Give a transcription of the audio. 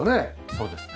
そうですね。